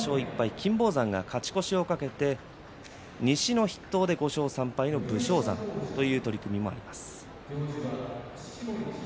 金峰山が勝ち越しを懸けて西の筆頭で５勝３敗の武将山という取組もあります。